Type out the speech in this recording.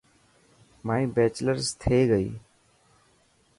مائي بيچلرز ٿي گئي.